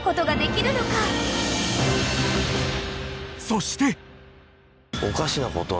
［そして］